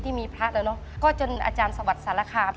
หลังจากเจอตะขาบ